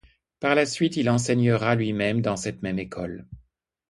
Par la suite il enseignera lui-même dans cette même école.